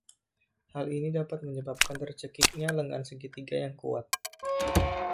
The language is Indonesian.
Hal ini dapat menyebabkan tercekiknya lengan segitiga yang kuat.